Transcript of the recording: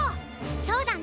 そうだね！